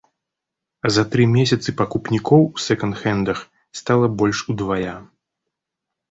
За тры месяцы пакупнікоў у сэканд-хэндах стала больш удвая.